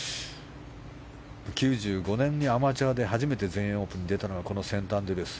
９５年にアマチュアで初めて全英オープンに出たのがこのセントアンドリュース。